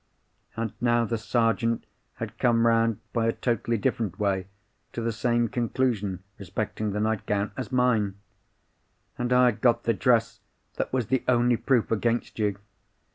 And now, the Sergeant had come round by a totally different way to the same conclusion (respecting the nightgown) as mine! And I had got the dress that was the only proof against you!